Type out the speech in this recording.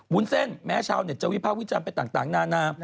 วุ้นเส้นแม้ชาวเน็ตจะวิภาควิจารณ์ไปต่างนานา